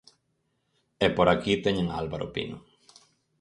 E por aquí teñen a Álvaro Pino.